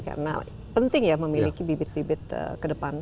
karena penting ya memiliki bibit bibit ke depan